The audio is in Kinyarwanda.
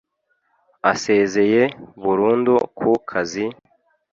asezeye burundu ku kazi,